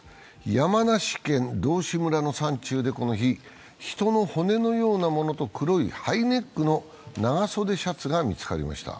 山梨県道志村の山中でこの日、人の骨のようなものと黒いハイネックの長袖シャツが見つかりました。